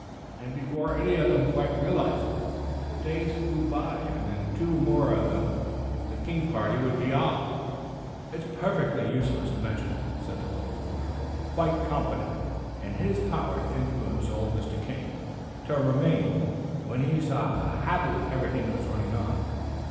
And before any of them quite realised it, the days flew by, and in two more of them the King party would be off. "It's perfectly useless to mention it," said the little old earl, quite confident in his power to influence old Mr. King to remain when he saw how happily everything was running on.